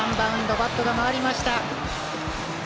バットが回りました。